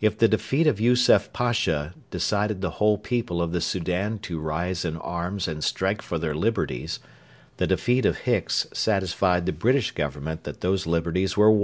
If the defeat of Yusef Pasha decided the whole people of the Soudan to rise in arms and strike for their liberties, the defeat of Hicks satisfied the British Government that those liberties were won.